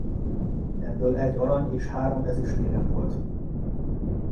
Ebből egy arany- és három ezüstérem volt.